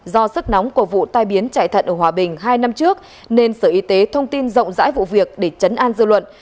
do sức nóng của vụ tai biến chạy thận ở hòa bình hai năm trước nên sở y tế thông tin rộng rãi vụ việc để chấn an dư luận